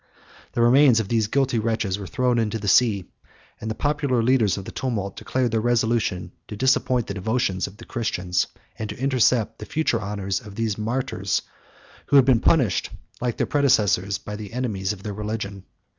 The remains of these guilty wretches were thrown into the sea; and the popular leaders of the tumult declared their resolution to disappoint the devotion of the Christians, and to intercept the future honors of these martyrs, who had been punished, like their predecessors, by the enemies of their religion.